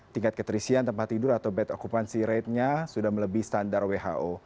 tingkat keterisian tempat tidur atau bed akupansi raidnya sudah melebih standar who